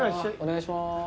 お願いします。